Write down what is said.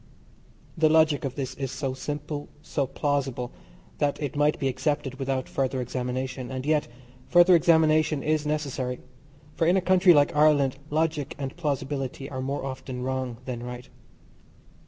The logic of this is so simple, so plausible, that it might be accepted without further examination, and yet further examination is necessary, for in a country like Ireland logic and plausibility are more often wrong than right.